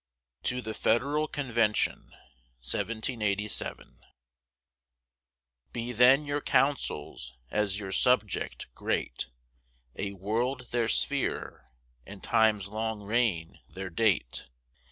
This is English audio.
TO THE FEDERAL CONVENTION Be then your counsels, as your subject, great, A world their sphere, and time's long reign their date.